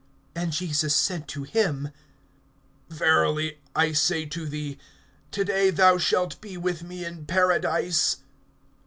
(43)And Jesus said to him: Verily I say to thee, to day thou shalt be with me in paradise.